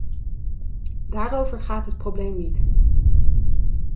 Daarover gaat het probleem niet.